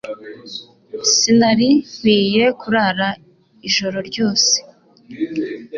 Sinari nkwiye kurara ijoro ryose.